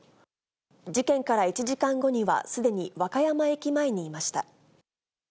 事件から１時間後には、すでに和歌山駅前にいました。